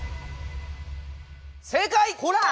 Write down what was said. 正解！